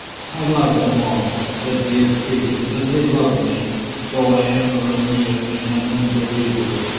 I love them all, the dear creatures, and they love me, though I am a Roumia and an unbeliever.